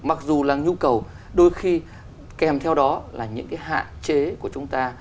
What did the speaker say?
mặc dù là nhu cầu đôi khi kèm theo đó là những cái hạn chế của chúng ta